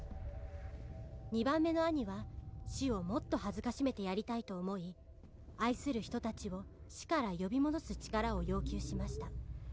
「２番目の兄は死をもっと辱めてやりたいと思い」「愛する人達を死から呼び戻す力を要求しました」